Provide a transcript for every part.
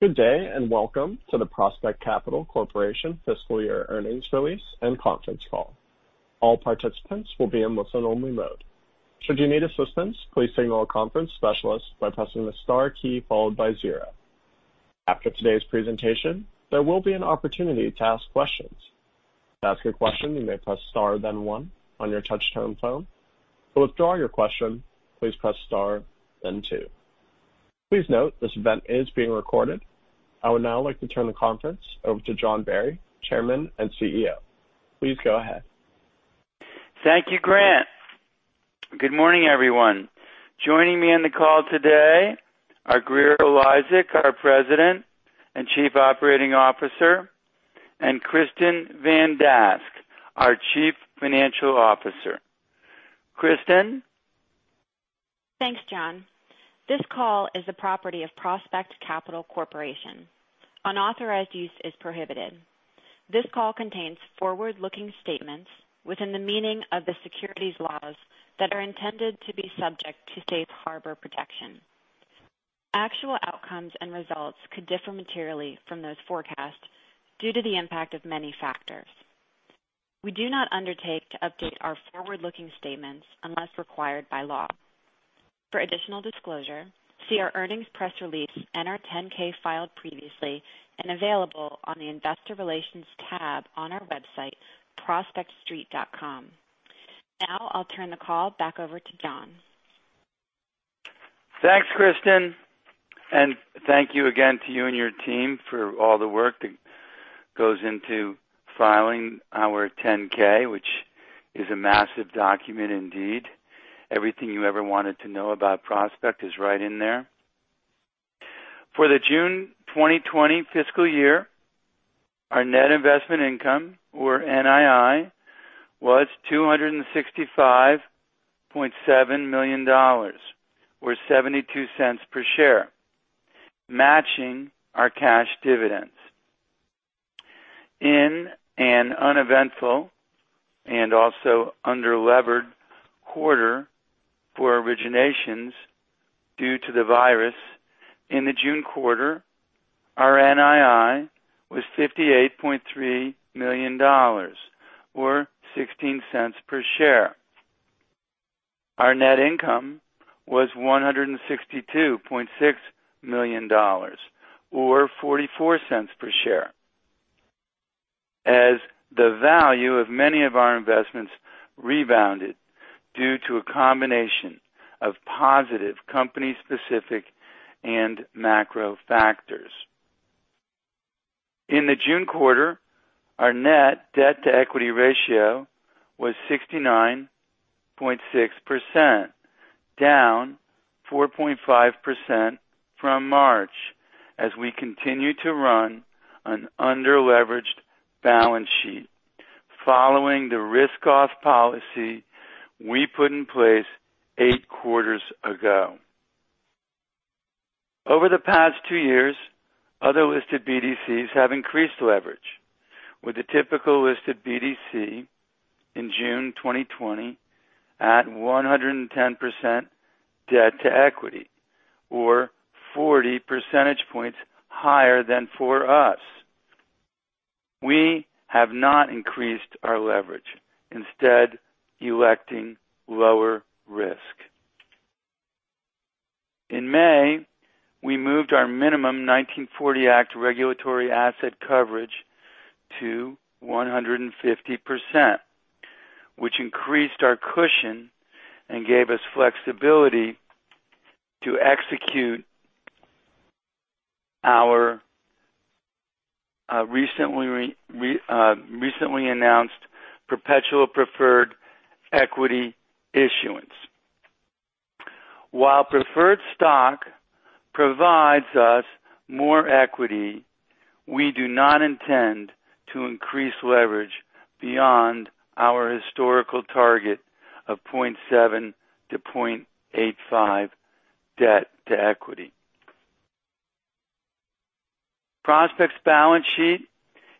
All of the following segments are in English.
Good day, and welcome to the Prospect Capital Corporation fiscal year earnings release and conference call. I would now like to turn the conference over to John Barry, Chairman and CEO. Please go ahead. Thank you, Grant. Good morning, everyone. Joining me on the call today are Grier Eliasek, our President and Chief Operating Officer, and Kristin Van Dask, our Chief Financial Officer. Kristin? Thanks, John. This call is the property of Prospect Capital Corporation. Unauthorized use is prohibited. This call contains forward-looking statements within the meaning of the securities laws that are intended to be subject to safe harbor protection. Actual outcomes and results could differ materially from those forecasts due to the impact of many factors. We do not undertake to update our forward-looking statements unless required by law. For additional disclosure, see our earnings press release and our 10-K filed previously and available on the investor relations tab on our website prospectstreet.com. Now, I'll turn the call back over to John. Thanks, Kristin, thank you again to you and your team for all the work that goes into filing our 10-K, which is a massive document indeed. Everything you ever wanted to know about Prospect is right in there. For the June 2020 fiscal year, our net investment income, or NII, was $265.7 million, or $0.72 per share, matching our cash dividends. In an uneventful and also under-levered quarter for originations due to the virus in the June quarter, our NII was $58.3 million, or $0.16 per share. Our net income was $162.6 million or $0.44 per share as the value of many of our investments rebounded due to a combination of positive company-specific and macro factors. In the June quarter, our net debt-to-equity ratio was 69.6%, down 4.5% from March. As we continue to run an under-leveraged balance sheet following the risk-off policy we put in place eight quarters ago. Over the past two years, other listed BDCs have increased leverage with the typical listed BDC in June 2020 at 110% debt to equity, or 40 percentage points higher than for us. We have not increased our leverage, instead electing lower risk. In May, we moved our minimum 1940 Act regulatory asset coverage to 150%, which increased our cushion and gave us flexibility to execute our recently announced perpetual preferred equity issuance. While preferred stock provides us more equity, we do not intend to increase leverage beyond our historical target of 0.7x to 0.85x debt to equity. Prospect's balance sheet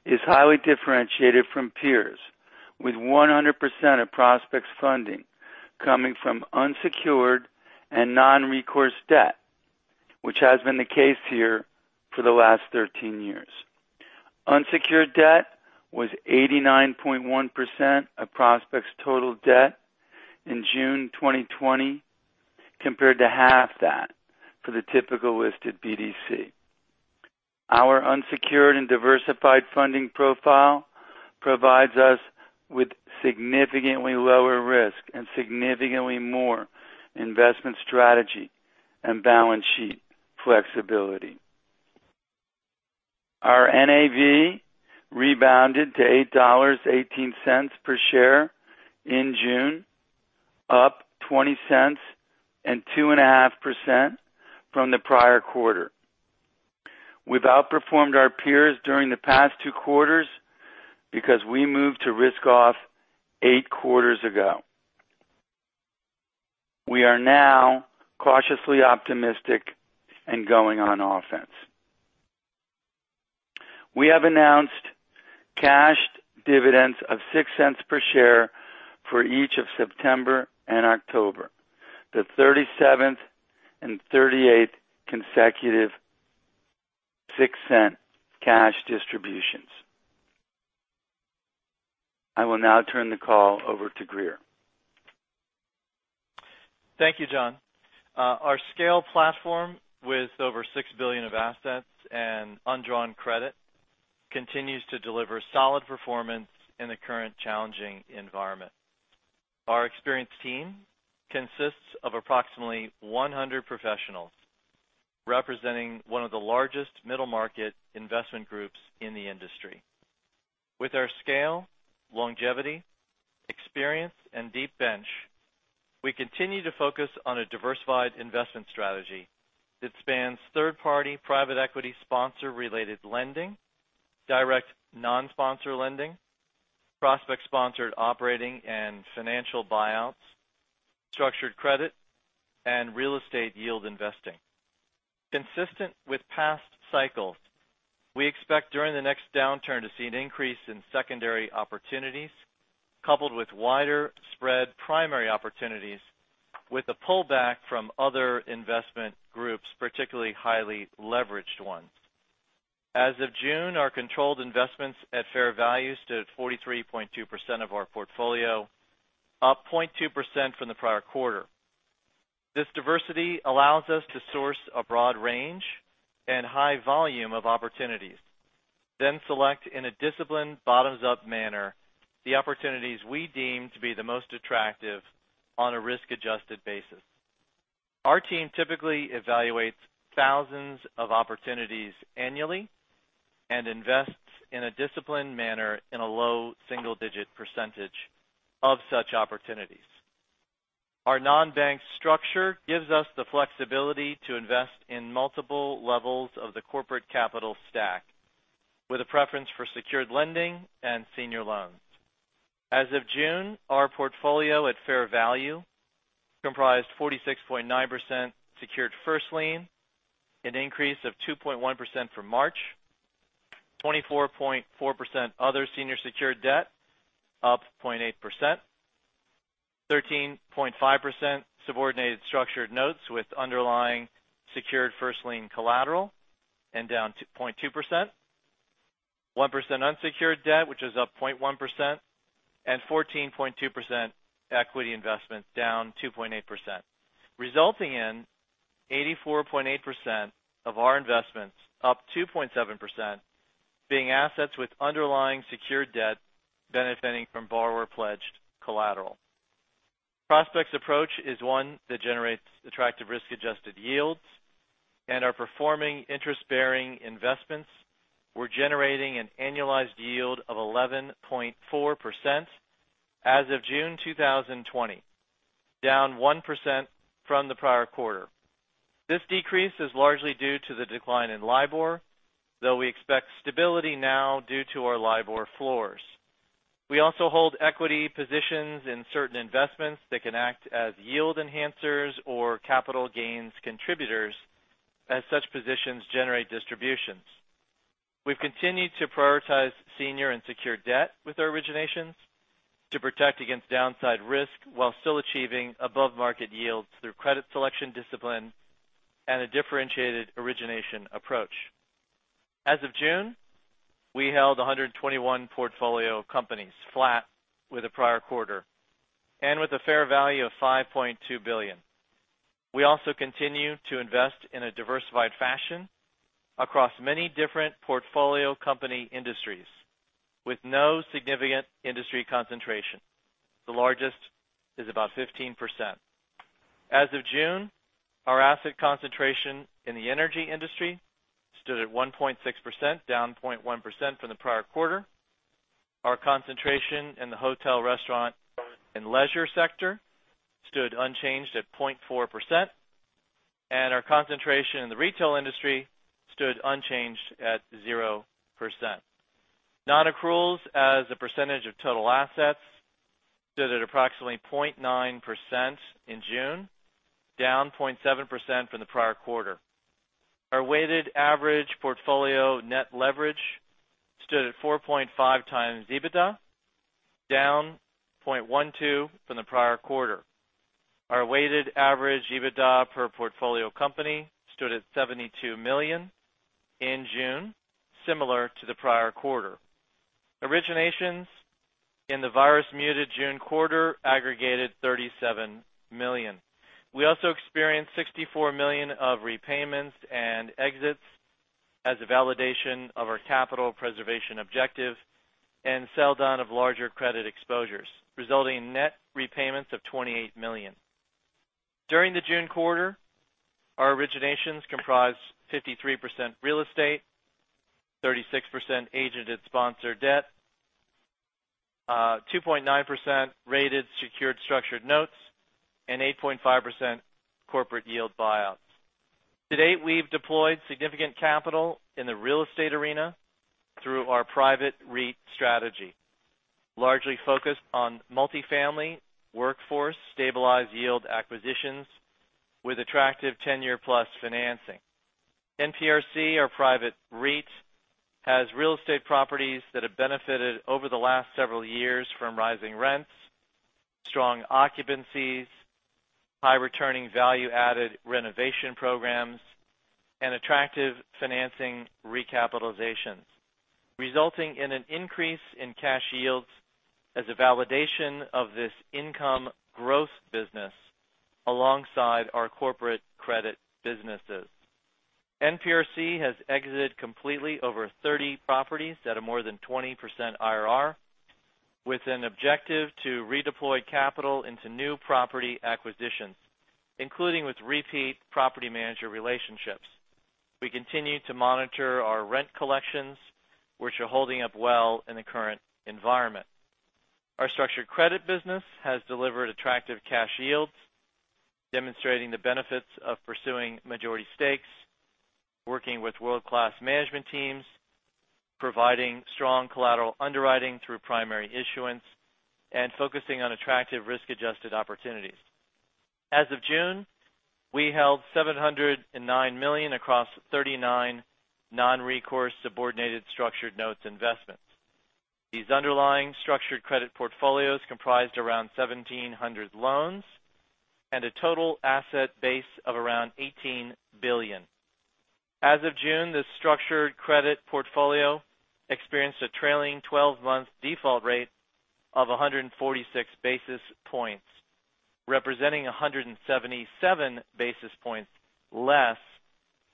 is highly differentiated from peers with 100% of Prospect's funding coming from unsecured and non-recourse debt, which has been the case here for the last 13 years. Unsecured debt was 89.1% of Prospect's total debt in June 2020, compared to half that for the typical listed BDC. Our unsecured and diversified funding profile provides us with significantly lower risk and significantly more investment strategy and balance sheet flexibility. Our NAV rebounded to $8.18 per share in June, up $0.20 and 2.5% from the prior quarter. We've outperformed our peers during the past two quarters because we moved to risk-off eight quarters ago. We are now cautiously optimistic and going on offense. We have announced cashed dividends of $0.06 per share for each of September and October, the 37th and 38th consecutive $0.06 cash distributions. I will now turn the call over to Grier. Thank you, John. Our scale platform with over $6 billion of assets and undrawn credit continues to deliver solid performance in the current challenging environment. Our experienced team consists of approximately 100 professionals, representing one of the largest middle-market investment groups in the industry. With our scale, longevity, experience, and deep bench, we continue to focus on a diversified investment strategy that spans third-party private equity sponsor-related lending, direct non-sponsor lending, Prospect-sponsored operating and financial buyouts, structured credit, and real estate yield investing. Consistent with past cycles, we expect during the next downturn to see an increase in secondary opportunities, coupled with wider spread primary opportunities with a pullback from other investment groups, particularly highly leveraged ones. As of June, our controlled investments at fair value stood at 43.2% of our portfolio, up 0.2% from the prior quarter. This diversity allows us to source a broad range and high volume of opportunities, then select in a disciplined bottoms-up manner, the opportunities we deem to be the most attractive on a risk-adjusted basis. Our team typically evaluates thousands of opportunities annually and invests in a disciplined manner in a low single-digit percentage of such opportunities. Our non-bank structure gives us the flexibility to invest in multiple levels of the corporate capital stack with a preference for secured lending and senior loans. As of June, our portfolio at fair value comprised 46.9% secured first lien, an increase of 2.1% from March. 24.4% other senior secured debt up 0.8%, 13.5% subordinated structured notes with underlying secured first lien collateral and down 2.2%, 1% unsecured debt, which is up 0.1%, and 14.2% equity investment down 2.8%, resulting in 84.8% of our investments up 2.7%, being assets with underlying secured debt benefiting from borrower-pledged collateral. Prospect's approach is one that generates attractive risk-adjusted yields, and our performing interest-bearing investments were generating an annualized yield of 11.4% as of June 2020, down 1% from the prior quarter. This decrease is largely due to the decline in LIBOR, though we expect stability now due to our LIBOR floors. We also hold equity positions in certain investments that can act as yield enhancers or capital gains contributors as such positions generate distributions. We've continued to prioritize senior and secured debt with our originations to protect against downside risk while still achieving above-market yields through credit selection discipline and a differentiated origination approach. As of June, we held 121 portfolio companies, flat with the prior quarter, and with a fair value of $5.2 billion. We also continue to invest in a diversified fashion across many different portfolio company industries with no significant industry concentration. The largest is about 15%. As of June, our asset concentration in the energy industry stood at 1.6%, down 0.1% from the prior quarter. Our concentration in the hotel, restaurant, and leisure sector stood unchanged at 0.4%, and our concentration in the retail industry stood unchanged at 0%. Non-accruals as a percentage of total assets stood at approximately 0.9% in June, down 0.7% from the prior quarter. Our weighted average portfolio net leverage stood at 4.5x EBITDA, down 0.12x from the prior quarter. Our weighted average EBITDA per portfolio company stood at $72 million in June, similar to the prior quarter. Originations in the virus-muted June quarter aggregated $37 million. We also experienced $64 million of repayments and exits as a validation of our capital preservation objective and sell down of larger credit exposures, resulting in net repayments of $28 million. During the June quarter, our originations comprised 53% real estate, 36% agented sponsored debt, 2.9% rated secured structured notes, and 8.5% corporate yield buyouts. To date, we've deployed significant capital in the real estate arena through our private REIT strategy. Largely focused on multifamily workforce stabilized yield acquisitions with attractive 10-year+ financing. NPRC, our private REIT, has real estate properties that have benefited over the last several years from rising rents, strong occupancies, high returning value-added renovation programs, and attractive financing recapitalizations, resulting in an increase in cash yields as a validation of this income growth business alongside our corporate credit businesses. NPRC has exited completely over 30 properties at a more than 20% IRR, with an objective to redeploy capital into new property acquisitions, including with repeat property manager relationships. We continue to monitor our rent collections, which are holding up well in the current environment. Our structured credit business has delivered attractive cash yields, demonstrating the benefits of pursuing majority stakes, working with world-class management teams, providing strong collateral underwriting through primary issuance, and focusing on attractive risk-adjusted opportunities. As of June, we held $709 million across 39 non-recourse subordinated structured notes investments. These underlying structured credit portfolios comprised around 1,700 loans and a total asset base of around $18 billion. As of June, this structured credit portfolio experienced a trailing 12-month default rate of 146 basis points, representing 177 basis points less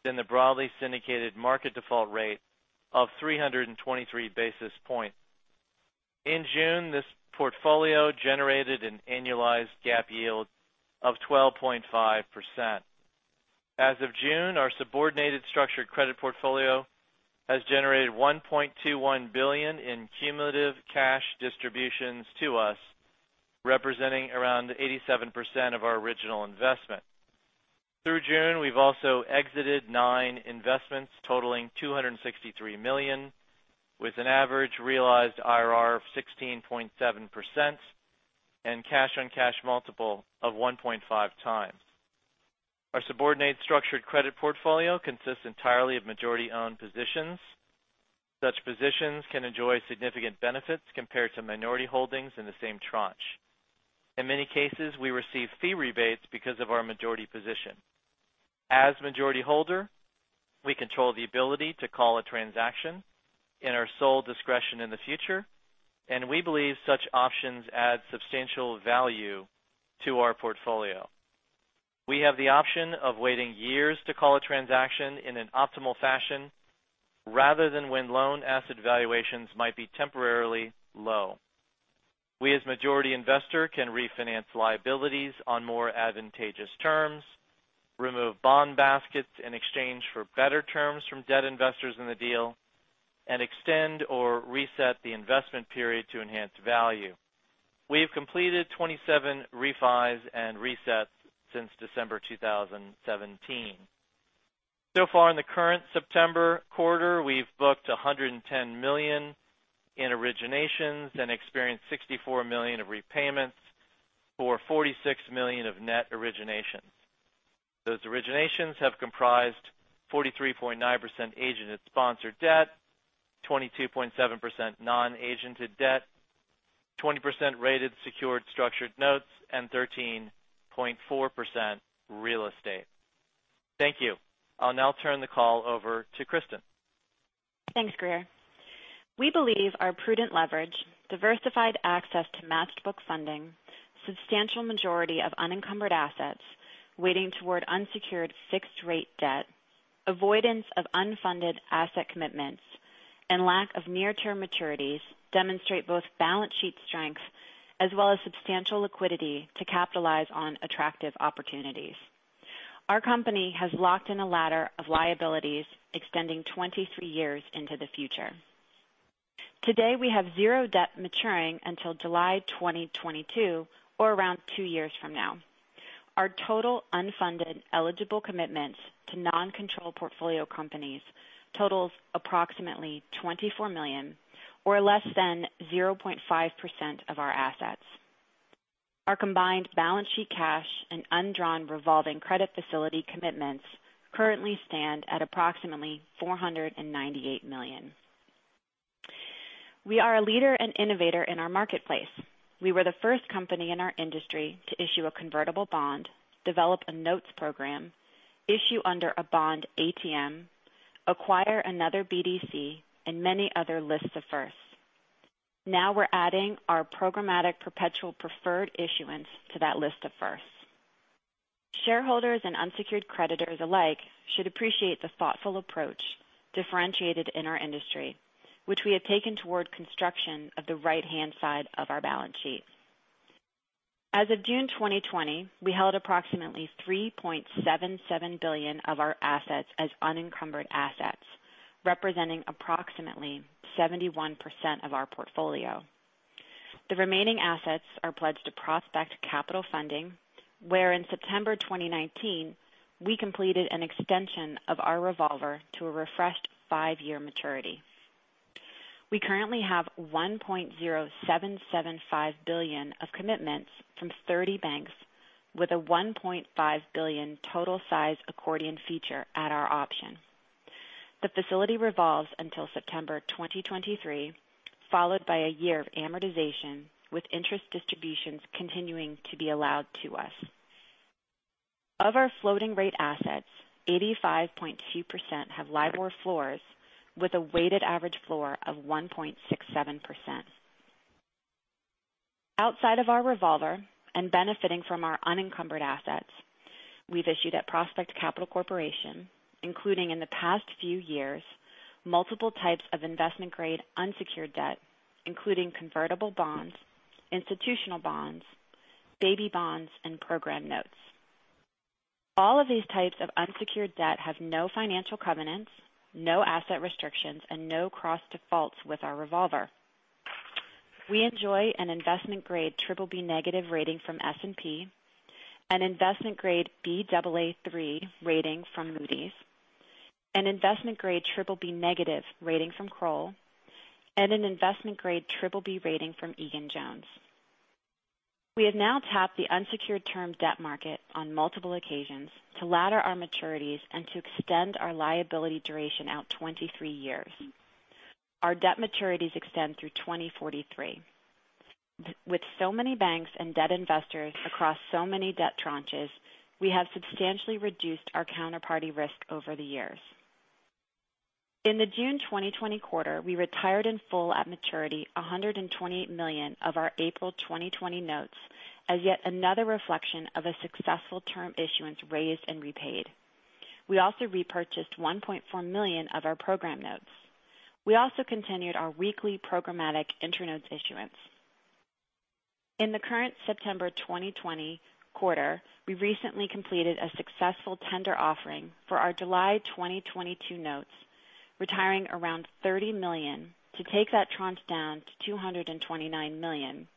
than the broadly syndicated market default rate of 323 basis points. In June, this portfolio generated an annualized GAAP yield of 12.5%. As of June, our subordinated structured credit portfolio has generated $1.21 billion in cumulative cash distributions to us, representing around 87% of our original investment. Through June, we've also exited nine investments totaling $263 million, with an average realized IRR of 16.7% and cash-on-cash multiple of 1.5x. Our subordinate structured credit portfolio consists entirely of majority-owned positions. Such positions can enjoy significant benefits compared to minority holdings in the same tranche. In many cases, we receive fee rebates because of our majority position. As majority holder, we control the ability to call a transaction in our sole discretion in the future, and we believe such options add substantial value to our portfolio. We have the option of waiting years to call a transaction in an optimal fashion, rather than when loan asset valuations might be temporarily low. We, as majority investor, can refinance liabilities on more advantageous terms, remove bond baskets in exchange for better terms from debt investors in the deal, and extend or reset the investment period to enhance value. We have completed 27 refis and resets since December 2017. So far in the current September quarter, we've booked $110 million in originations and experienced $64 million of repayments for $46 million of net originations. Those originations have comprised 43.9% agented sponsored debt, 22.7% non-agented debt, 20% rated secured structured notes, and 13.4% real estate. Thank you. I'll now turn the call over to Kristin. Thanks, Grier. We believe our prudent leverage, diversified access to matched book funding, substantial majority of unencumbered assets weighting toward unsecured fixed-rate debt, avoidance of unfunded asset commitments, and lack of near-term maturities demonstrate both balance sheet strengths as well as substantial liquidity to capitalize on attractive opportunities. Our company has locked in a ladder of liabilities extending 23 years into the future. Today, we have zero debt maturing until July 2022 or around two years from now. Our total unfunded eligible commitments to non-control portfolio companies totals approximately $24 million or less than 0.5% of our assets. Our combined balance sheet cash and undrawn revolving credit facility commitments currently stand at approximately $498 million. We are a leader and innovator in our marketplace. We were the first company in our industry to issue a convertible bond, develop a notes program, issue under a bond ATM, acquire another BDC, and many other lists of firsts. We're adding our programmatic perpetual preferred issuance to that list of firsts. Shareholders and unsecured creditors alike should appreciate the thoughtful approach differentiated in our industry, which we have taken toward construction of the right-hand side of our balance sheet. As of June 2020, we held approximately $3.77 billion of our assets as unencumbered assets, representing approximately 71% of our portfolio. The remaining assets are pledged to Prospect Capital Funding where in September 2019, we completed an extension of our revolver to a refreshed five-year maturity. We currently have $1.0775 billion of commitments from 30 banks, with a $1.5 billion total size accordion feature at our option. The facility revolves until September 2023, followed by a year of amortization, with interest distributions continuing to be allowed to us. Of our floating rate assets, 85.2% have LIBOR floors with a weighted average floor of 1.67%. Outside of our revolver and benefiting from our unencumbered assets, we've issued at Prospect Capital Corporation, including in the past few years, multiple types of investment-grade unsecured debt, including convertible bonds, institutional bonds, baby bonds, and program notes. All of these types of unsecured debt have no financial covenants, no asset restrictions, and no cross defaults with our revolver. We enjoy an investment-grade BBB negative rating from S&P, an investment-grade Baa3 rating from Moody's, an investment-grade BBB negative rating from Kroll, and an investment-grade BBB rating from Egan-Jones. We have now tapped the unsecured term debt market on multiple occasions to ladder our maturities and to extend our liability duration out 23 years. Our debt maturities extend through 2043. With so many banks and debt investors across so many debt tranches, we have substantially reduced our counterparty risk over the years. In the June 2020 quarter, we retired in full at maturity, $128 million of our April 2020 notes as yet another reflection of a successful term issuance raised and repaid. We also repurchased $1.4 million of our program notes. We also continued our weekly programmatic interim notes issuance. In the current September 2020 quarter, we recently completed a successful tender offering for our July 2022 notes, retiring around $30 million to take that tranche down to $229 million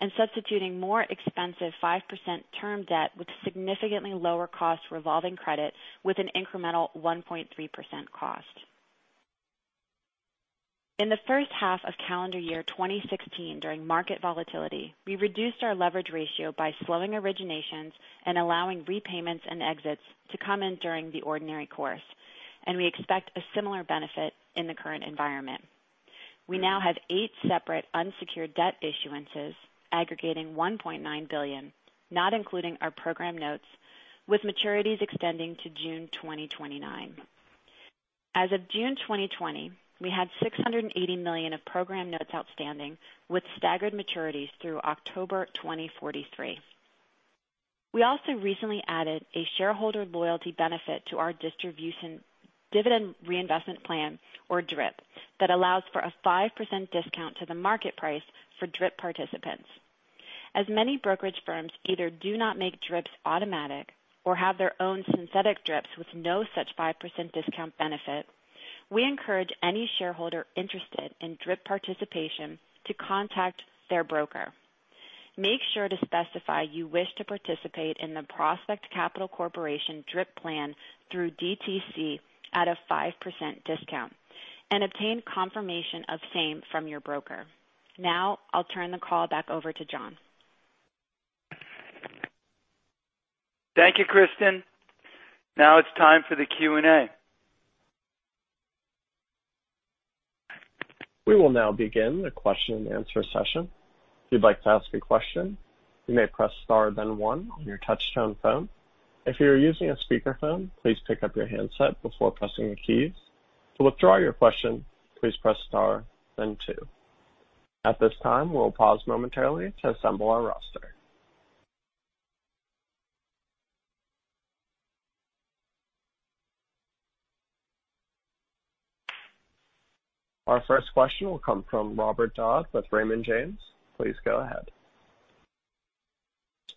and substituting more expensive 5% term debt with significantly lower cost revolving credit with an incremental 1.3% cost. In the first half of calendar year 2016, during market volatility, we reduced our leverage ratio by slowing originations and allowing repayments and exits to come in during the ordinary course, and we expect a similar benefit in the current environment. We now have eight separate unsecured debt issuances aggregating $1.9 billion, not including our program notes, with maturities extending to June 2029. As of June 2020, we had $680 million of program notes outstanding with staggered maturities through October 2043. We also recently added a shareholder loyalty benefit to our dividend reinvestment plan, or DRIP, that allows for a 5% discount to the market price for DRIP participants. As many brokerage firms either do not make DRIPs automatic or have their own synthetic DRIPs with no such 5% discount benefit, we encourage any shareholder interested in DRIP participation to contact their broker. Make sure to specify you wish to participate in the Prospect Capital Corporation DRIP plan through DTC at a 5% discount and obtain confirmation of same from your broker. Now, I'll turn the call back over to John. Thank you, Kristin. Now it's time for the Q&A. We will now begin the question and answer session. If you'd like to ask a question, you may press star then one on your touch-tone phone. If you are using a speakerphone, please pick up your handset before pressing the keys. To withdraw your question, please press star then two. At this time, we will pause momentarily to assemble our roster. Our first question will come from Robert Dodd with Raymond James. Please go ahead.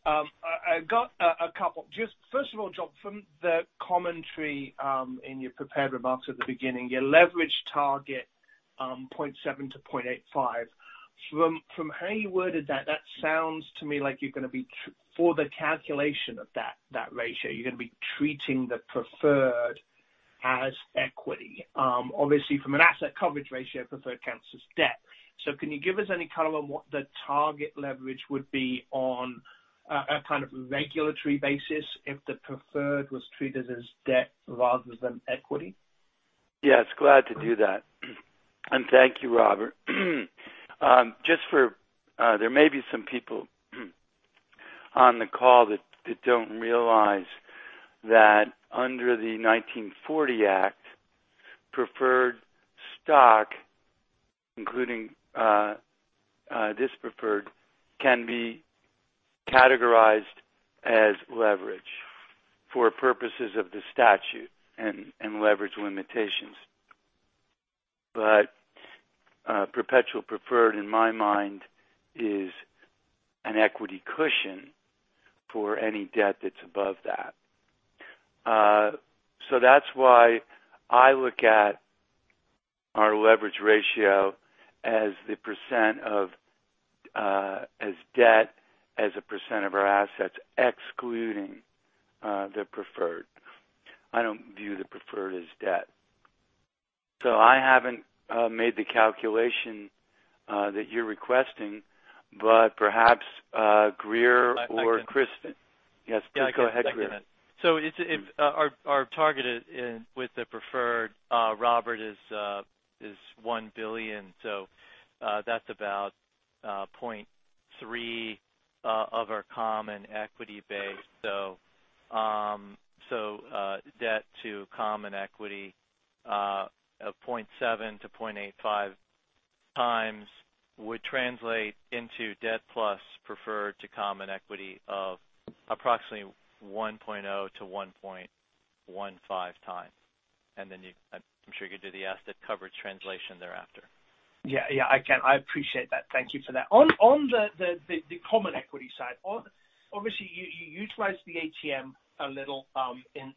I got a couple. First of all, John, from the commentary in your prepared remarks at the beginning, your leverage target, 0.7x to 0.85x. From how you worded that sounds to me like for the calculation of that ratio, you're going to be treating the preferred as equity. Obviously, from an asset coverage ratio, preferred counts as debt. Can you give us any color on what the target leverage would be on a kind of regulatory basis if the preferred was treated as debt rather than equity? Yes. Glad to do that. Thank you, Robert. There may be some people on the call that don't realize that under the 1940 Act, preferred stock, including this preferred, can be categorized as leverage for purposes of the statute and leverage limitations. Perpetual preferred, in my mind, is an equity cushion for any debt that's above that. That's why I look at our leverage ratio as debt, as a percent of our assets, excluding the preferred. I don't view the preferred as debt. I haven't made the calculation that you're requesting, perhaps Grier or Kristin. Yes, please go ahead, Grier. Our target with the preferred, Robert, is $1 billion. That's about 0.3x of our common equity base. Debt to common equity of 0.7x to 0.85x would translate into debt plus preferred to common equity of approximately 1.0x to1.15x. Then I'm sure you could do the asset coverage translation thereafter. Yeah. I can. I appreciate that. Thank you for that. On the common equity side, obviously, you utilized the ATM a little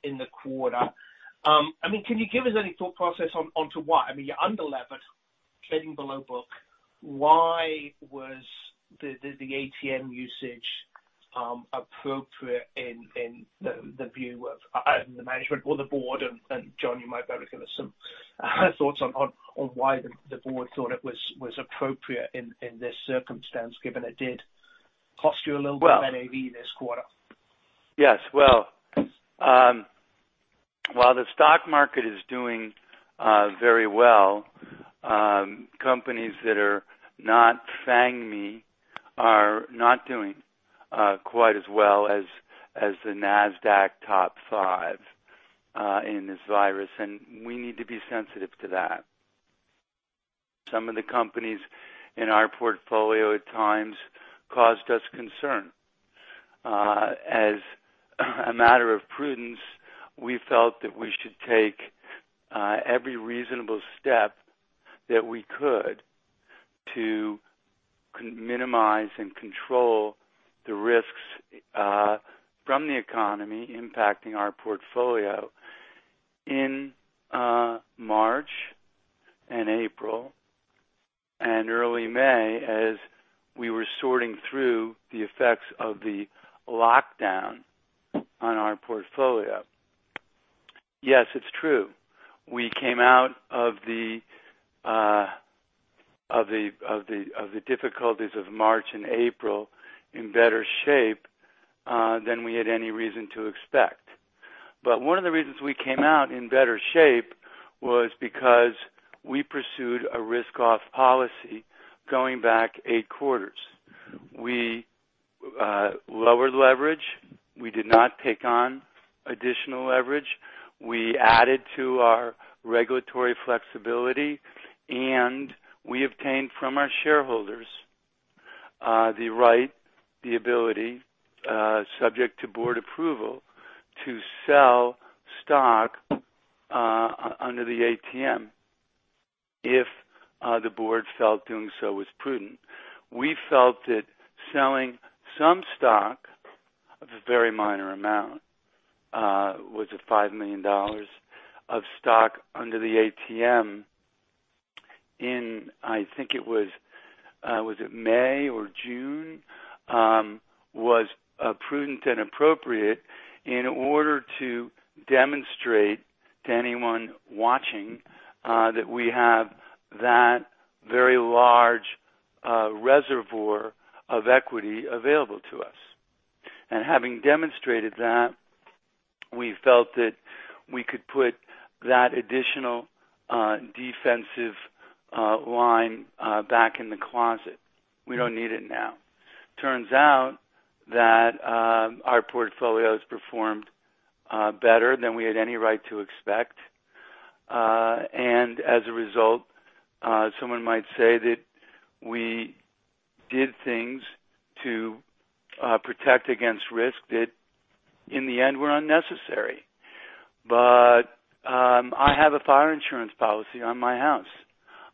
in the quarter. Can you give us any thought process onto why? You're under-levered, trading below book. Why was the ATM usage appropriate in the view of either the management or the board? John, you might be able to give us some thoughts on why the board thought it was appropriate in this circumstance, given it did cost you a little bit of NAV this quarter. Yes. Well, while the stock market is doing very well, companies that are not FAANG-y are not doing quite as well as the NASDAQ top five in this virus. We need to be sensitive to that. Some of the companies in our portfolio at times caused us concern. As a matter of prudence, we felt that we should take every reasonable step that we could to minimize and control the risks from the economy impacting our portfolio. In March and April and early May, as we were sorting through the effects of the lockdown on our portfolio. Yes, it's true. We came out of the difficulties of March and April in better shape than we had any reason to expect. One of the reasons we came out in better shape was because we pursued a risk-off policy going back eight quarters. We lowered leverage. We did not take on additional leverage. We added to our regulatory flexibility, and we obtained from our shareholders the right, the ability, subject to board approval, to sell stock under the ATM if the board felt doing so was prudent. We felt that selling some stock, a very minor amount, was it $5 million of stock under the ATM in, I think it was it May or June? Was prudent and appropriate in order to demonstrate to anyone watching that we have that very large reservoir of equity available to us. Having demonstrated that, we felt that we could put that additional defensive line back in the closet. We don't need it now. Turns out that our portfolio has performed better than we had any right to expect. As a result, someone might say that we did things to protect against risk that, in the end, were unnecessary. I have a fire insurance policy on my house.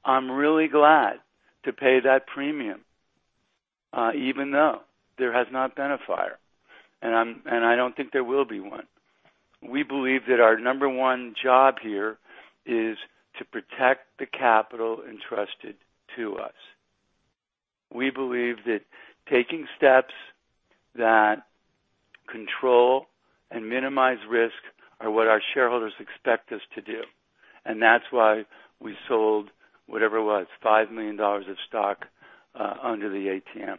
I'm really glad to pay that premium even though there has not been a fire, and I don't think there will be one. We believe that our number one job here is to protect the capital entrusted to us. We believe that taking steps that control and minimize risk are what our shareholders expect us to do. That's why we sold whatever it was, $5 million of stock under the ATM.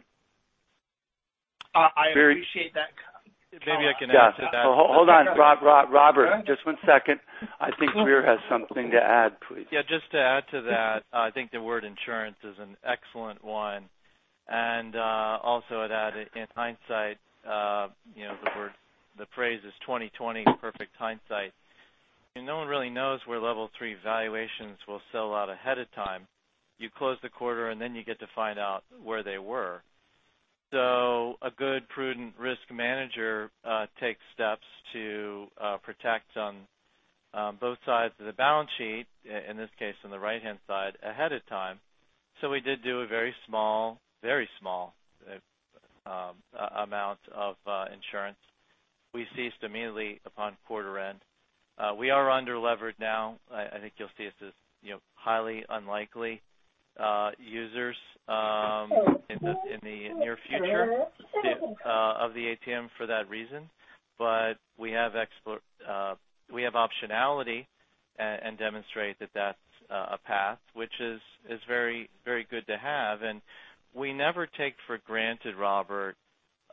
I appreciate that. Maybe I can add to that. Hold on, Robert. Just one second. I think Grier has something to add, please. Yeah, just to add to that, I think the word insurance is an excellent one. Also I'd add in hindsight, the phrase is 20/20 perfect hindsight. No one really knows where Level 3 valuations will sell out ahead of time. You close the quarter, then you get to find out where they were. A good prudent risk manager takes steps to protect on both sides of the balance sheet, in this case, on the right-hand side, ahead of time. We did do a very small amount of insurance. We ceased immediately upon quarter end. We are underlevered now. I think you'll see us as highly unlikely users in the near future of the ATM for that reason. We have optionality and demonstrate that that's a path which is very good to have. We never take for granted, Robert,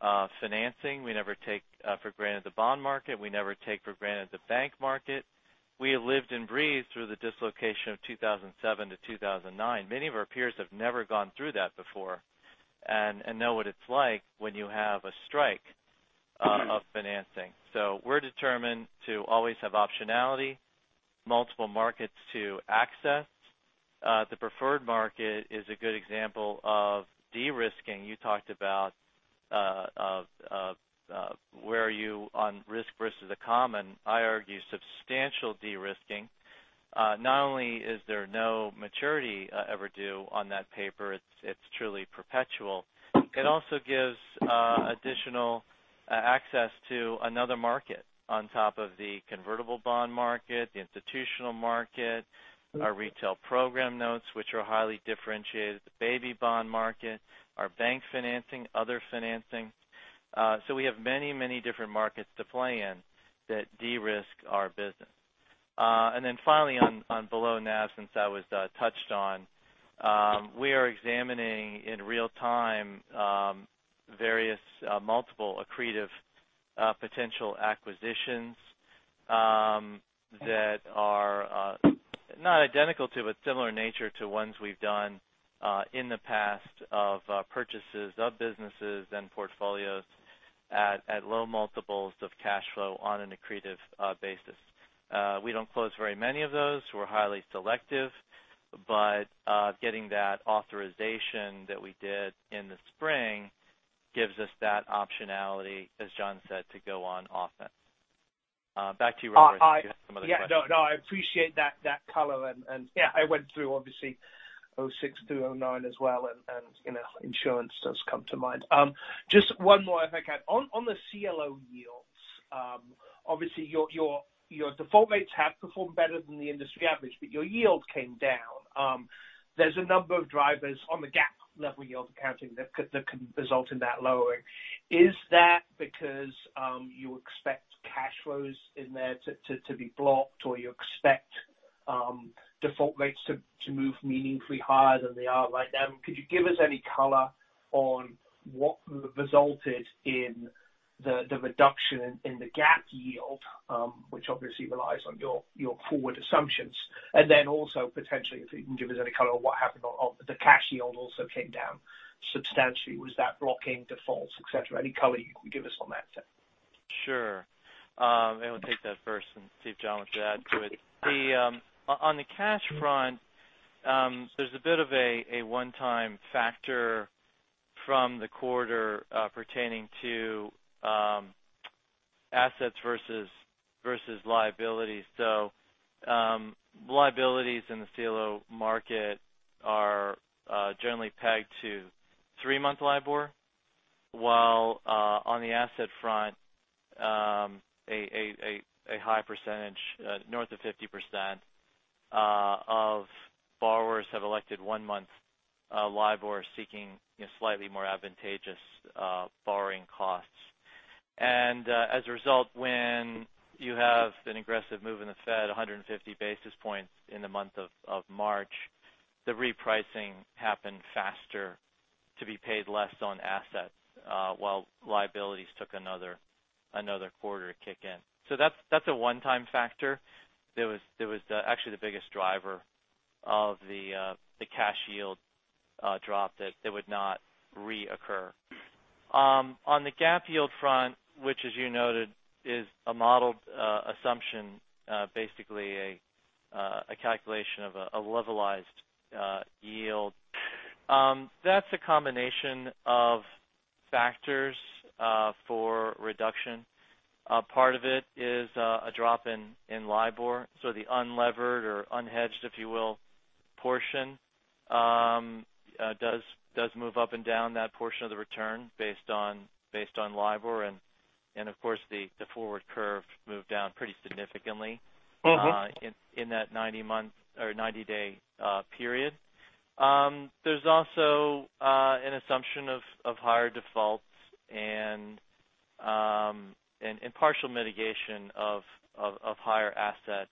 financing. We never take for granted the bond market. We never take for granted the bank market. We have lived and breathed through the dislocation of 2007 to 2009. Many of our peers have never gone through that before and know what it's like when you have a strike of financing. We're determined to always have optionality, multiple markets to access. The preferred market is a good example of de-risking. You talked about where are you on risk versus the common. I argue substantial de-risking. Not only is there no maturity ever due on that paper, it's truly perpetual. It also gives additional access to another market on top of the convertible bond market, the institutional market, our retail program notes, which are highly differentiated, the baby bond market, our bank financing, other financing. We have many different markets to play in that de-risk our business. Then finally on below NAV, since that was touched on. We are examining in real-time, various multiple accretive potential acquisitions that are not identical to, but similar in nature to ones we've done in the past of purchases of businesses and portfolios at low multiples of cash flow on an accretive basis. We don't close very many of those. We're highly selective. Getting that authorization that we did in the spring gives us that optionality, as John said, to go on offense. Back to you, Robert. If you have some other questions. Yeah. No, I appreciate that color. Yeah, I went through obviously 2006 through 2009 as well. Insurance does come to mind. Just one more if I can. On the CLO yields. Obviously, your default rates have performed better than the industry average, but your yield came down. There's a number of drivers on the GAAP level yield accounting that can result in that lowering. Is that because you expect cash flows in there to be blocked or you expect default rates to move meaningfully higher than they are right now? Could you give us any color on what resulted in the reduction in the GAAP yield which obviously relies on your forward assumptions? Then also potentially if you can give us any color on what happened on the cash yield also came down substantially. Was that blocking defaults, et cetera? Any color you could give us on that, sir? Sure. I'm going to take that first and see if John wants to add to it. On the cash front, there's a bit of a one-time factor from the quarter pertaining to assets versus liabilities. Liabilities in the CLO market are generally pegged to three-month LIBOR. While on the asset front, a high percentage, north of 50% of borrowers have elected one-month LIBOR seeking slightly more advantageous borrowing costs. As a result, when you have an aggressive move in the Fed, 150 basis points in the month of March, the repricing happened faster to be paid less on assets while liabilities took another quarter to kick in. That's a one-time factor that was actually the biggest driver of the cash yield drop that it would not reoccur. On the GAAP yield front, which as you noted, is a modeled assumption basically a calculation of a levelized yield. That's a combination of factors for reduction. Part of it is a drop in LIBOR. The unlevered or unhedged, if you will, portion does move up and down that portion of the return based on LIBOR. Of course, the forward curve moved down pretty significantly. in that 90-day period. There's also an assumption of higher defaults and partial mitigation of higher asset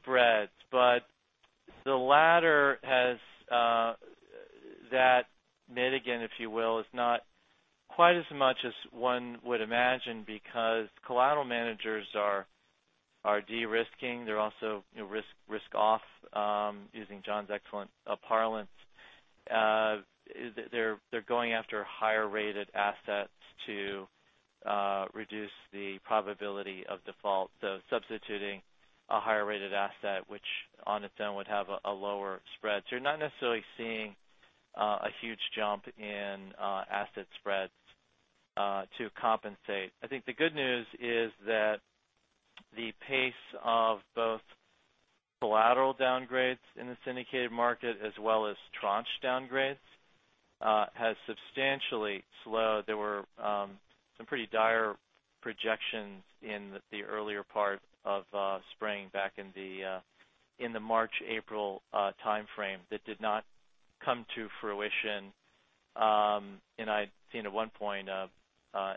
spreads. The latter has that mitigant, if you will, is not quite as much as one would imagine because collateral managers are de-risking. They're also risk off, using John's excellent parlance. They're going after higher-rated assets to reduce the probability of default. Substituting a higher-rated asset which on its own would have a lower spread. You're not necessarily seeing a huge jump in asset spreads to compensate. I think the good news is that the pace of collateral downgrades in the syndicated market as well as tranche downgrades has substantially slowed. There were some pretty dire projections in the earlier part of spring back in the March, April timeframe that did not come to fruition. I'd seen at one point, a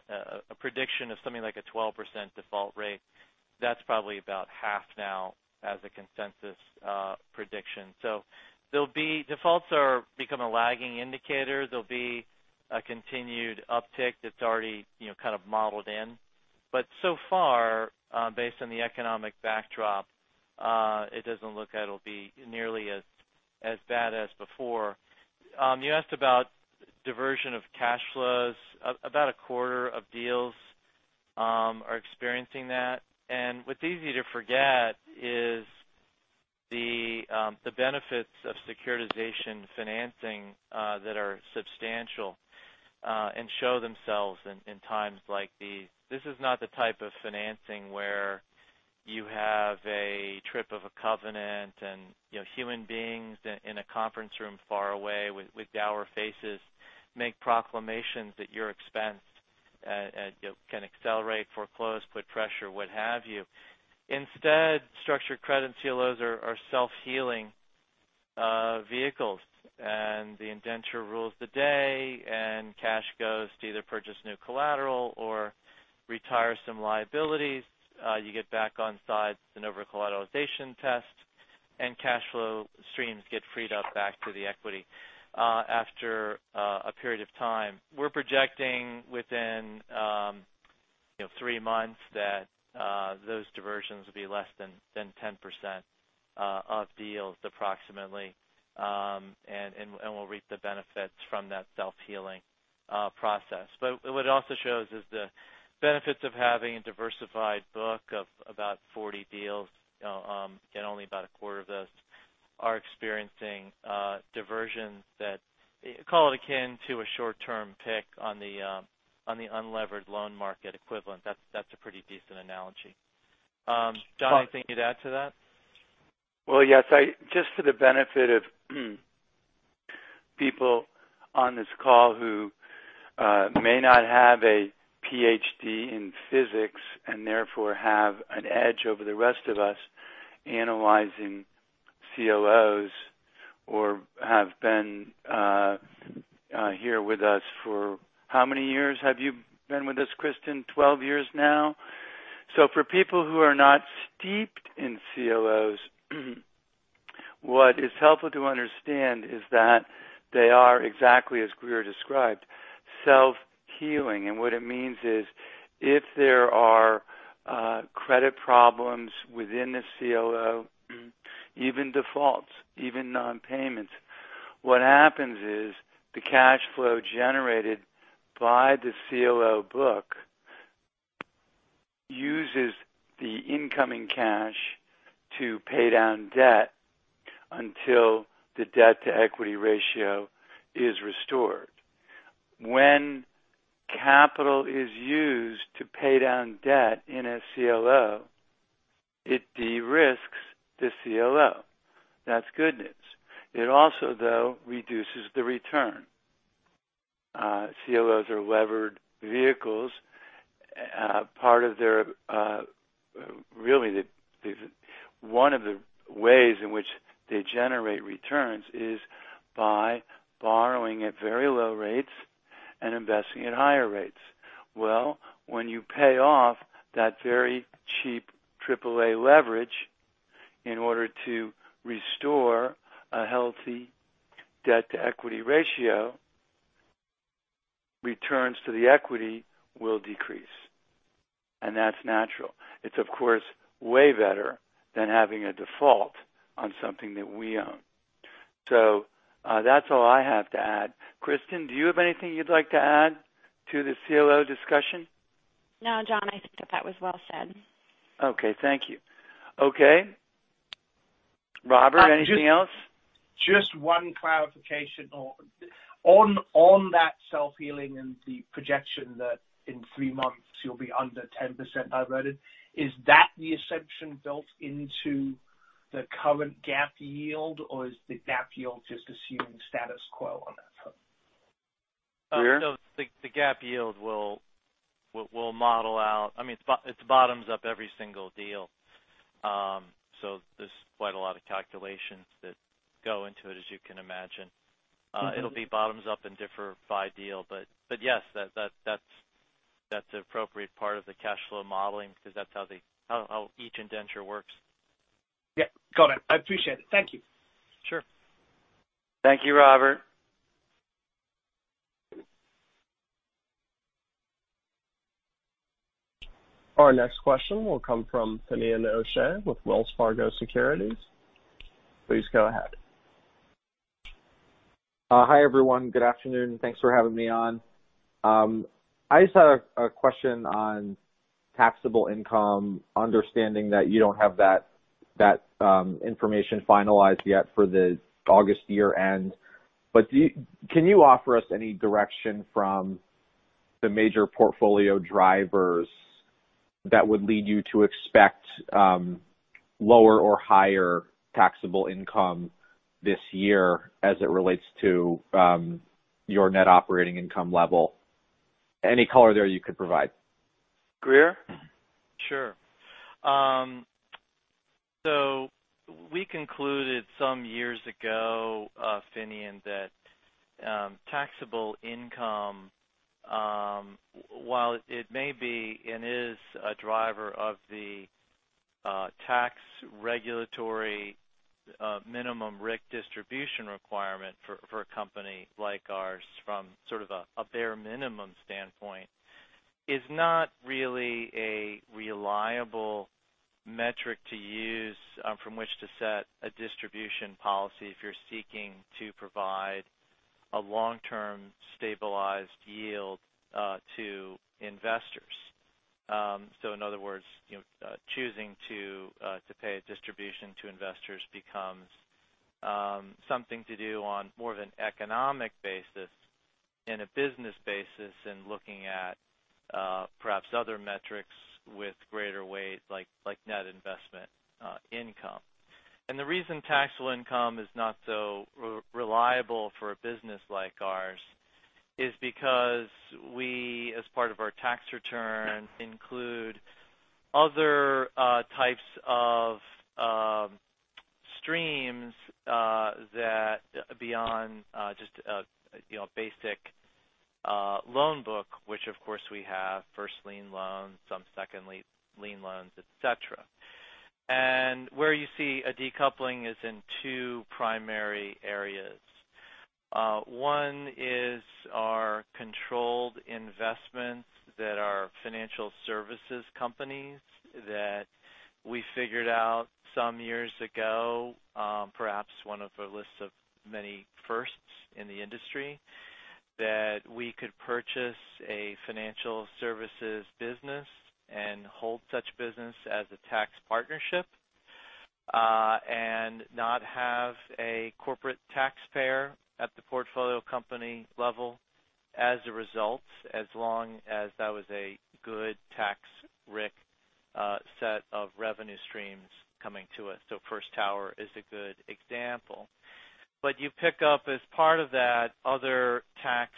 prediction of something like a 12% default rate. That's probably about half now as a consensus prediction. Defaults become a lagging indicator. There'll be a continued uptick that's already kind of modeled in. So far, based on the economic backdrop, it doesn't look like it'll be nearly as bad as before. You asked about diversion of cash flows. About a quarter of deals are experiencing that. What's easy to forget is the benefits of securitization financing that are substantial and show themselves in times like these. This is not the type of financing where you have a trip of a covenant and human beings in a conference room far away with dour faces make proclamations at your expense, can accelerate, foreclose, put pressure, what have you. Instead, structured credit CLOs are self-healing vehicles, and the indenture rules the day, and cash goes to either purchase new collateral or retire some liabilities. You get back on side the over-collateralization test, and cash flow streams get freed up back to the equity after a period of time. We're projecting within three months that those diversions will be less than 10% of deals approximately. We'll reap the benefits from that self-healing process. What it also shows is the benefits of having a diversified book of about 40 deals, and only about a quarter of those are experiencing diversions that call it akin to a short-term PIK on the unlevered loan market equivalent. That's a pretty decent analogy. John, anything you'd add to that? Well, yes. Just for the benefit of people on this call who may not have a PhD in physics and therefore have an edge over the rest of us analyzing CLOs or have been here with us for how many years have you been with us, Kristin? 12 years now. For people who are not steeped in CLOs, what is helpful to understand is that they are exactly as Grier described, self-healing. What it means is if there are credit problems within the CLO, even defaults, even non-payments, what happens is the cash flow generated by the CLO book uses the incoming cash to pay down debt until the debt-to-equity ratio is restored. When capital is used to pay down debt in a CLO, it de-risks the CLO. That's good news. It also, though, reduces the return. CLOs are levered vehicles. One of the ways in which they generate returns is by borrowing at very low rates and investing at higher rates. Well, when you pay off that very cheap triple A leverage in order to restore a healthy debt-to-equity ratio, returns to the equity will decrease. That's natural. It's of course way better than having a default on something that we own. That's all I have to add. Kristin, do you have anything you'd like to add to the CLO discussion? No, John, I think that that was well said. Okay. Thank you. Okay. Robert, anything else? Just one clarification on that self-healing and the projection that in three months you'll be under 10% diverted. Is that the assumption built into the current GAAP yield, or is the GAAP yield just assuming status quo on that front? Grier? No, the GAAP yield will model out. It bottoms up every single deal. There's quite a lot of calculations that go into it, as you can imagine. It'll be bottoms up and differ by deal. Yes, that's an appropriate part of the cash flow modeling because that's how each indenture works. Got it. I appreciate it. Thank you. Sure. Thank you, Robert. Our next question will come from Finian O'Shea with Wells Fargo Securities. Please go ahead. Hi, everyone. Good afternoon. Thanks for having me on. I just had a question on taxable income, understanding that you don't have that information finalized yet for the August year-end. Can you offer us any direction from the major portfolio drivers that would lead you to expect lower or higher taxable income this year as it relates to your net operating income level. Any color there you could provide. Grier? Sure. We concluded some years ago, Finian, that taxable income, while it may be and is a driver of the tax regulatory minimum RIC distribution requirement for a company like ours from sort of a bare minimum standpoint, is not really a reliable metric to use from which to set a distribution policy if you're seeking to provide a long-term stabilized yield to investors. In other words, choosing to pay a distribution to investors becomes something to do on more of an economic basis and a business basis in looking at perhaps other metrics with greater weight, like net investment income. The reason taxable income is not so reliable for a business like ours is because we, as part of our tax return, include other types of streams that beyond just a basic loan book, which of course we have first lien loans, some second lien loans, et cetera. Where you see a decoupling is in two primary areas. One is our controlled investments that are financial services companies that we figured out some years ago, perhaps one of a list of many firsts in the industry, that we could purchase a financial services business and hold such business as a tax partnership. And not have a corporate taxpayer at the portfolio company level as a result, as long as that was a good tax RIC set of revenue streams coming to us. First Tower is a good example. You PIK-up as part of that other tax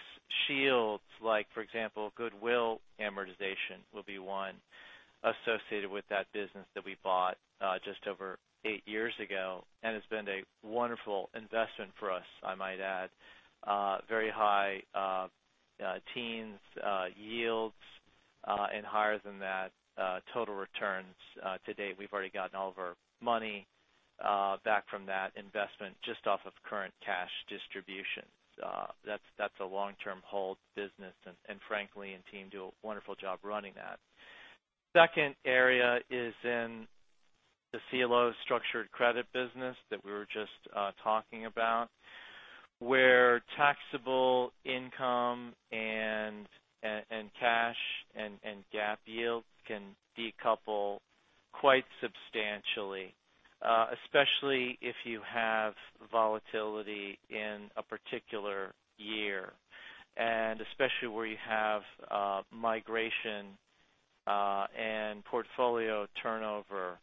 shields, like for example, goodwill amortization would be one associated with that business that we bought just over eight years ago, and has been a wonderful investment for us, I might add. Very high teens yields, and higher than that total returns. To date, we've already gotten all of our money back from that investment just off of current cash distributions. That's a long-term hold business and frankly, and team do a wonderful job running that. Second area is in the CLO structured credit business that we were just talking about, where taxable income and cash and GAAP yields can decouple quite substantially. Especially if you have volatility in a particular year, and especially where you have migration and portfolio turnover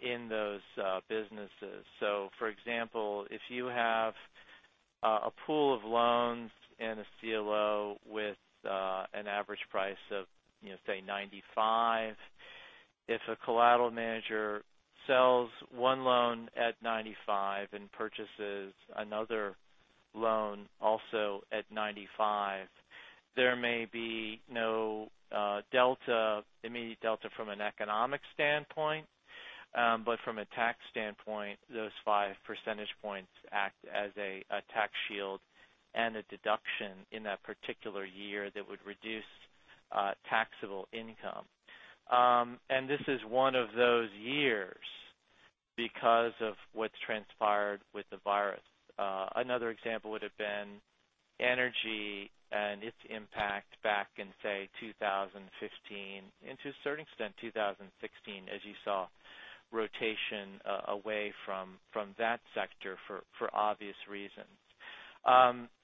in those businesses. For example, if you have a pool of loans in a CLO with an average price of say $95. If a collateral manager sells one loan at $95 and purchases another loan also at $95, there may be no immediate delta from an economic standpoint. From a tax standpoint, those 5 percentage points act as a tax shield and a deduction in that particular year that would reduce taxable income. This is one of those years because of what's transpired with the virus. Another example would have been energy and its impact back in, say, 2015, and to a certain extent 2016, as you saw rotation away from that sector for obvious reasons.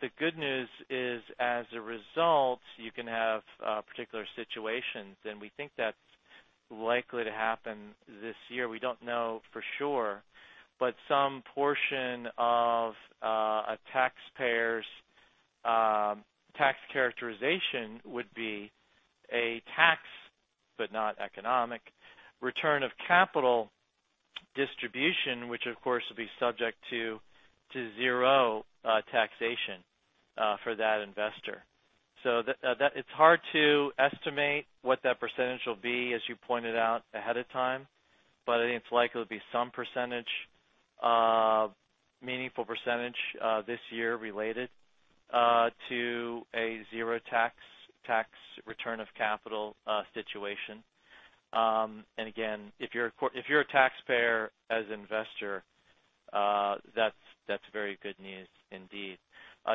The good news is, as a result, you can have particular situations, and we think that's likely to happen this year. We don't know for sure, but some portion of a taxpayer's tax characterization would be a tax, but not economic return of capital distribution, which of course would be subject to zero taxation for that investor. It's hard to estimate what that percentage will be, as you pointed out ahead of time. I think it's likely to be some percentage of meaningful percentage this year related to a zero tax return of capital situation. Again, if you're a taxpayer as investor, that's very good news indeed.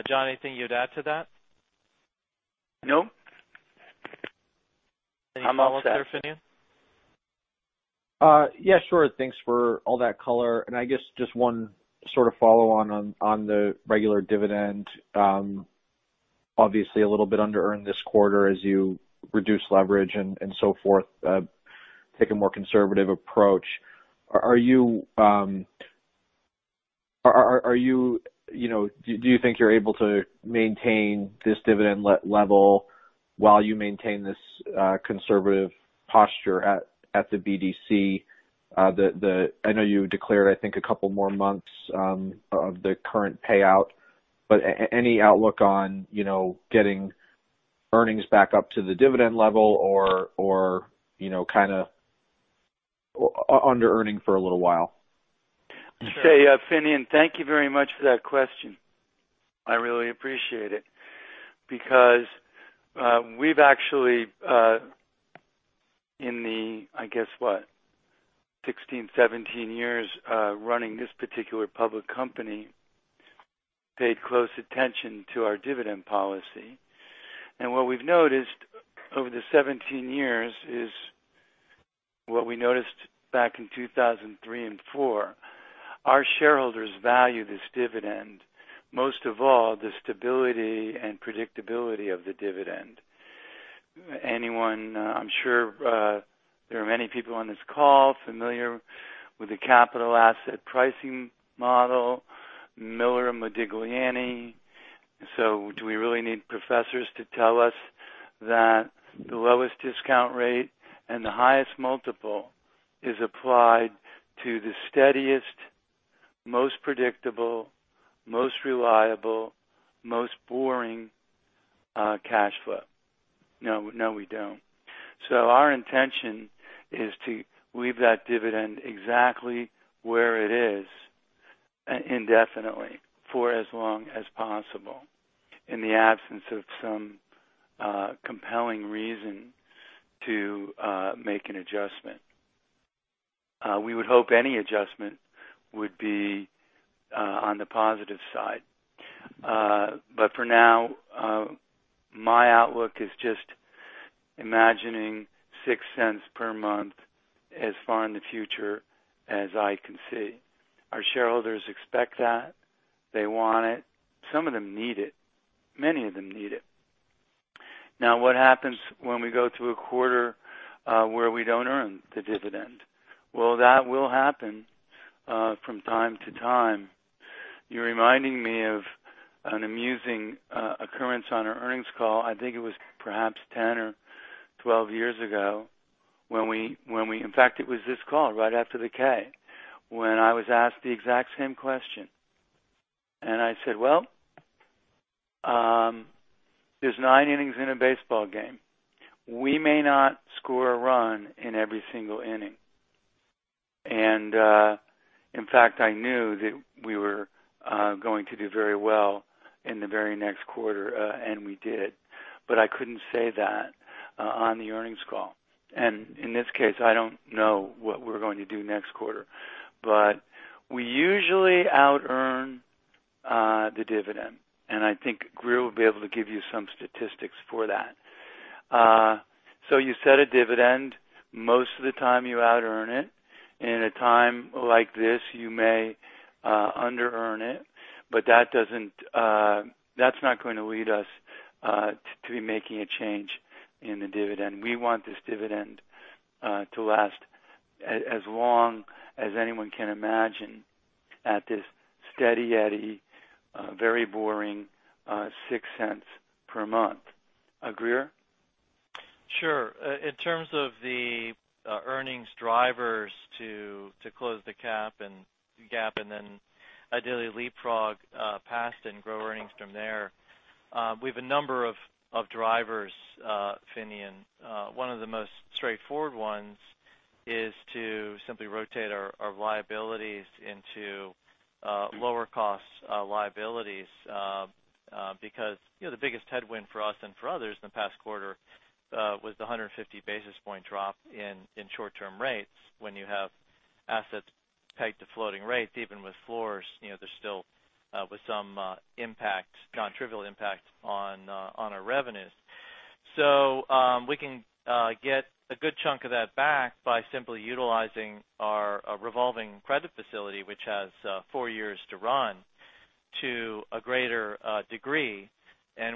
John, anything you'd add to that? No. I'm all set. Any thoughts there, Finian? Yeah, sure. Thanks for all that color. I guess just one sort of follow on the regular dividend. Obviously a little bit under earned this quarter as you reduce leverage and so forth, take a more conservative approach. Do you think you're able to maintain this dividend level while you maintain this conservative posture at the BDC? I know you declared, I think, a couple more months of the current payout, but any outlook on getting earnings back up to the dividend level or kind of under-earning for a little while? Say, Finian, thank you very much for that question. I really appreciate it because we've actually, in the, I guess, what, 16, 17 years running this particular public company, paid close attention to our dividend policy. What we've noticed over the 17 years is what we noticed back in 2003 and 2004. Our shareholders value this dividend. Most of all, the stability and predictability of the dividend. Anyone, I'm sure there are many people on this call familiar with the capital asset pricing model, Modigliani-Miller. Do we really need professors to tell us that the lowest discount rate and the highest multiple is applied to the steadiest, most predictable, most reliable, most boring cash flow? No, we don't. Our intention is to leave that dividend exactly where it is indefinitely for as long as possible, in the absence of some compelling reason to make an adjustment. We would hope any adjustment would be on the positive side. For now, my outlook is just imagining $0.06 per month as far in the future as I can see. Our shareholders expect that. They want it. Some of them need it. Many of them need it. What happens when we go through a quarter where we don't earn the dividend? Well, that will happen from time to time. You're reminding me of an amusing occurrence on our earnings call, I think it was perhaps 10 or 12 years ago. In fact, it was this call right after the 10-K, when I was asked the exact same question. I said, "Well, there's nine innings in a baseball game. We may not score a run in every single inning. In fact, I knew that we were going to do very well in the very next quarter, and we did. I couldn't say that on the earnings call. In this case, I don't know what we're going to do next quarter. We usually out earn the dividend, and I think Grier will be able to give you some statistics for that. You set a dividend. Most of the time you out earn it. In a time like this, you may under earn it. That's not going to lead us to be making a change in the dividend. We want this dividend to last as long as anyone can imagine at this steady-Eddie, very boring $0.06 per month. Grier? Sure. In terms of the earnings drivers to close the gap and then ideally leapfrog past and grow earnings from there, we've a number of drivers, Finian. One of the most straightforward ones is to simply rotate our liabilities into lower cost liabilities. The biggest headwind for us and for others in the past quarter was the 150 basis point drop in short-term rates. When you have assets pegged to floating rates, even with floors, there's still with some impact, non-trivial impact on our revenues. We can get a good chunk of that back by simply utilizing our revolving credit facility, which has four years to run to a greater degree.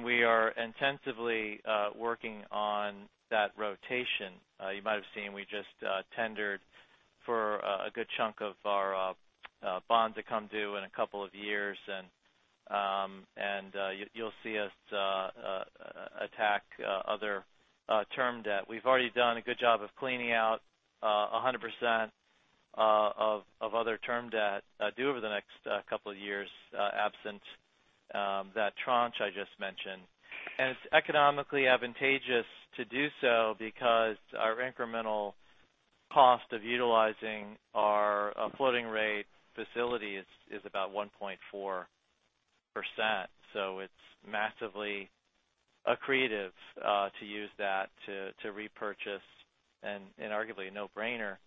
We are intensively working on that rotation. You might have seen we just tendered for a good chunk of our bonds to come due in a couple of years. You'll see us attack other term debt. We've already done a good job of cleaning out 100% of other term debt due over the next couple of years, absent that tranche I just mentioned. It's economically advantageous to do so because our incremental cost of utilizing our floating rate facility is about 1.4%. It's massively accretive to use that to repurchase, and arguably a no-brainer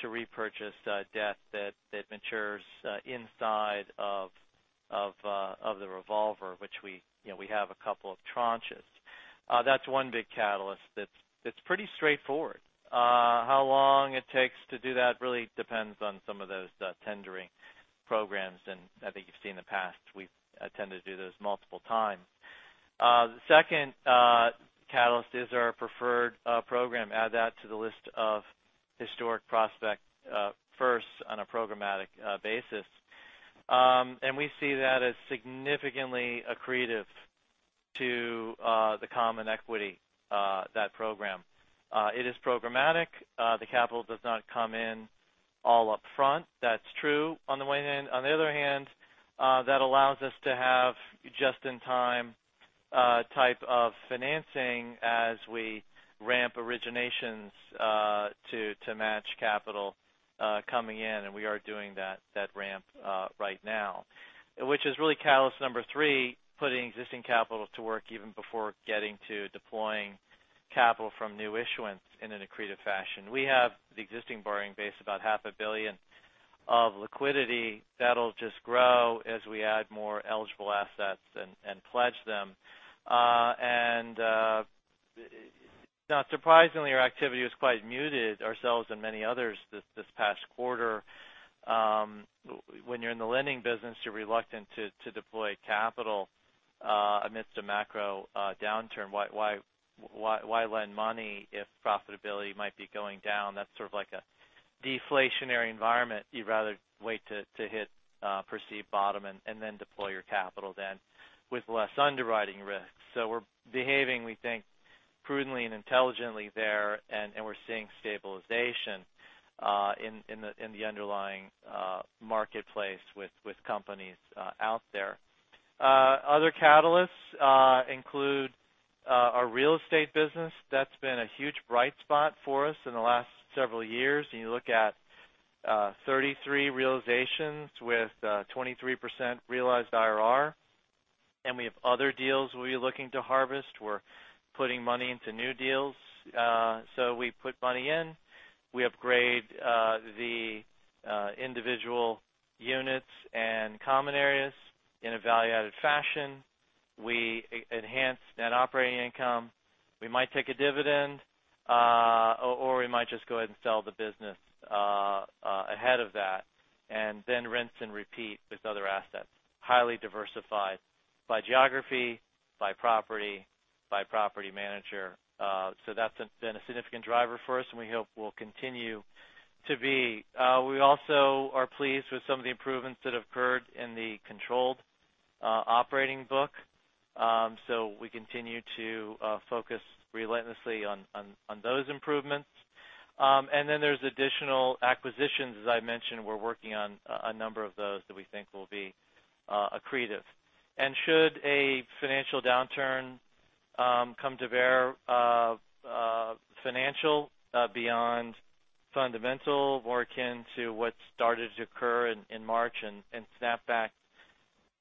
to repurchase debt that matures inside of the revolver, which we have a couple of tranches. That's one big catalyst that's pretty straightforward. How long it takes to do that really depends on some of those tendering programs. I think you've seen in the past, we tend to do those multiple times. The second catalyst is our preferred program. Add that to the list of historic Prospect firsts on a programmatic basis. We see that as significantly accretive to the common equity, that program. It is programmatic. The capital does not come in all upfront. That's true on the one hand. On the other hand, that allows us to have just-in-time type of financing as we ramp originations to match capital coming in. We are doing that ramp right now. Which is really catalyst number three, putting existing capital to work even before getting to deploying capital from new issuance in an accretive fashion. We have the existing borrowing base, about $500 million of liquidity. That'll just grow as we add more eligible assets and pledge them. Not surprisingly, our activity was quite muted, ourselves and many others, this past quarter. When you're in the lending business, you're reluctant to deploy capital amidst a macro downturn. Why lend money if profitability might be going down? That's sort of like a deflationary environment. You'd rather wait to hit perceived bottom and then deploy your capital then with less underwriting risk. We're behaving, we think, prudently and intelligently there, and we're seeing stabilization in the underlying marketplace with companies out there. Other catalysts include our real estate business. That's been a huge bright spot for us in the last several years. You look at 33 realizations with 23% realized IRR. We have other deals we'll be looking to harvest. We're putting money into new deals. We put money in. We upgrade the individual units and common areas in a value-added fashion. We enhance net operating income. We might take a dividend, or we might just go ahead and sell the business ahead of that, and then rinse and repeat with other assets. Highly diversified by geography, by property, by property manager. That's been a significant driver for us, and we hope will continue to be. We also are pleased with some of the improvements that have occurred in the controlled operating book. We continue to focus relentlessly on those improvements. Then there's additional acquisitions. As I mentioned, we're working on a number of those that we think will be accretive. Should a financial downturn come to bear financial beyond fundamental, more akin to what started to occur in March and snap back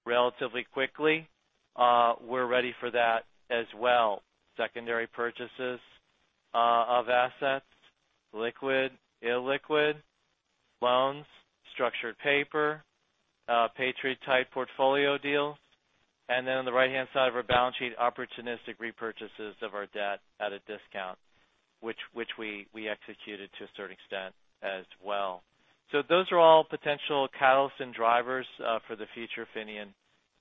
relatively quickly, we're ready for that as well. Secondary purchases of assets, liquid, illiquid, loans, structured paper, patriot-type portfolio deals. On the right-hand side of our balance sheet, opportunistic repurchases of our debt at a discount, which we executed to a certain extent as well. Those are all potential catalysts and drivers for the future of Finian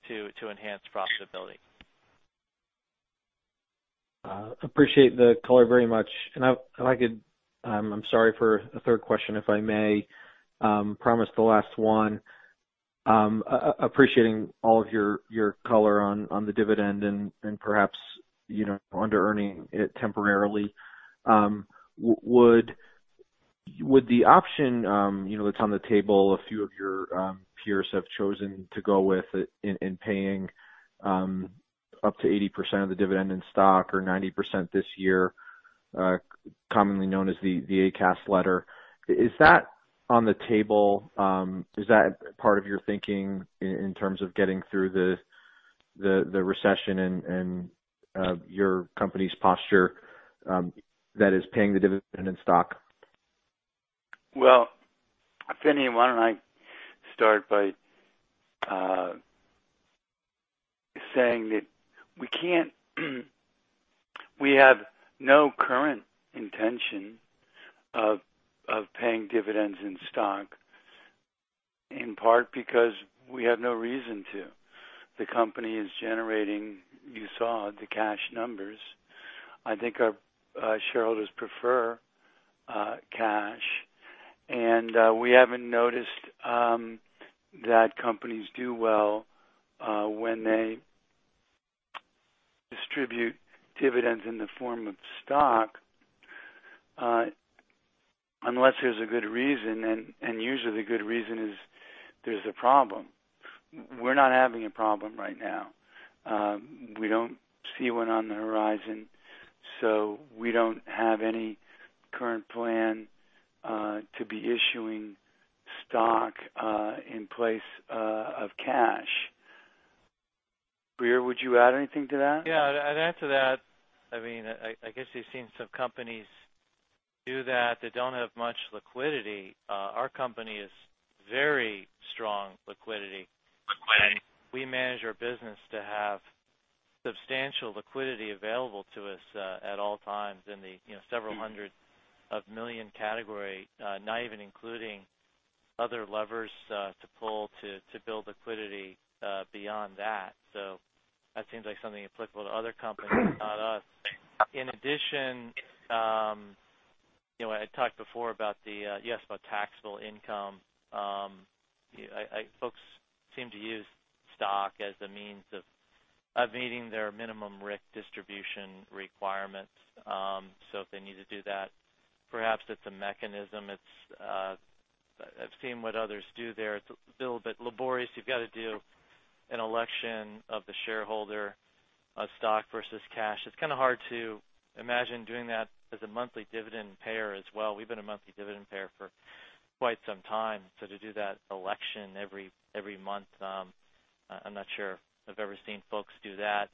to enhance profitability. Appreciate the color very much. If I could, I'm sorry for a third question, if I may. Promise the last one. Appreciating all of your color on the dividend and perhaps under-earning it temporarily. Would the option that's on the table, a few of your peers have chosen to go with in paying up to 80% of the dividend in stock or 90% this year, commonly known as the ACAS letter, is that on the table? Is that part of your thinking in terms of getting through the recession and your company's posture that is paying the dividend in stock? Well, Finian, why don't I start by saying that we have no current intention of paying dividends in stock, in part because we have no reason to. The company is generating, you saw the cash numbers. I think our shareholders prefer cash, and we haven't noticed that companies do well when they distribute dividends in the form of stock unless there's a good reason, and usually the good reason is there's a problem. We're not having a problem right now. We don't see one on the horizon. We don't have any current plan to be issuing stock in place of cash. Grier, would you add anything to that? Yeah, I'd add to that. I guess you've seen some companies do that, they don't have much liquidity. Our company has very strong liquidity. We manage our business to have substantial liquidity available to us at all times in the several hundred million category, not even including other levers to pull to build liquidity beyond that. That seems like something applicable to other companies, not us. In addition, I talked before about the taxable income. Folks seem to use stock as a means of meeting their minimum RIC distribution requirements. If they need to do that, perhaps it's a mechanism. I've seen what others do there. It's a little bit laborious. You've got to do an election of the shareholder of stock versus cash. It's kind of hard to imagine doing that as a monthly dividend payer as well. We've been a monthly dividend payer for quite some time. To do that election every month, I'm not sure I've ever seen folks do that.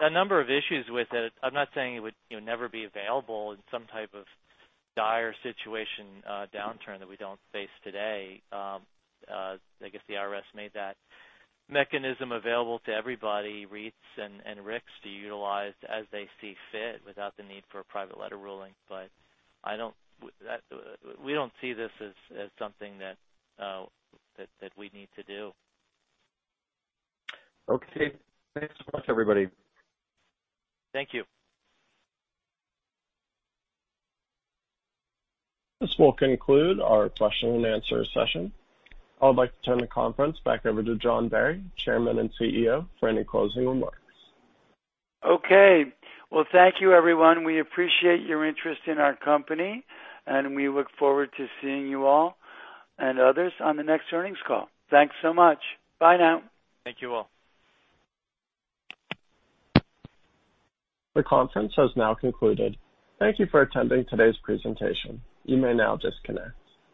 A number of issues with it. I'm not saying it would never be available in some type of dire situation downturn that we don't face today. I guess the IRS made that mechanism available to everybody, REITs and RICs, to utilize as they see fit without the need for a private letter ruling. We don't see this as something that we need to do. Okay. Thanks so much, everybody. Thank you. This will conclude our question and answer session. I would like to turn the conference back over to John Barry, Chairman and CEO, for any closing remarks. Okay. Well, thank you everyone. We appreciate your interest in our company, and we look forward to seeing you all and others on the next earnings call. Thanks so much. Bye now. Thank you all. The conference has now concluded. Thank you for attending today's presentation. You may now disconnect.